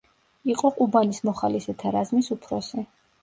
იყო ყუბანის მოხალისეთა რაზმის უფროსი.